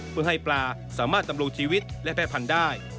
เพื่อให้ปลาสามารถดำรงชีวิตและแพร่พันธุ์ได้